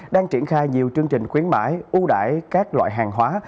đang triển khai nhiều chương trình khuyến mãi ưu đải các loại hàng hóa